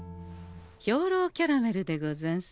兵糧キャラメルでござんす。